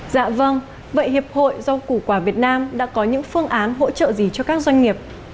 dạ vâng vậy hiệp hội rau củ quả việt nam đã có những phương án hỗ trợ gì cho các doanh nghiệp